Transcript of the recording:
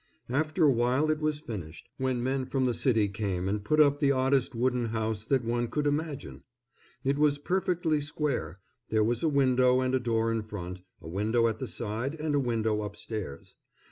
After a while it was finished, when men from the city came and put up the oddest wooden house that one could imagine. It was perfectly square; there was a window and a door in front, a window at the side, and a window upstairs.